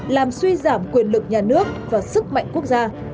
làm suy giảm quyền lực nhà nước và sức mạnh quốc gia